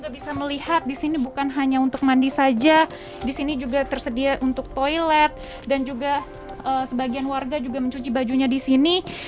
kita bisa melihat di sini bukan hanya untuk mandi saja di sini juga tersedia untuk toilet dan juga sebagian warga juga mencuci bajunya di sini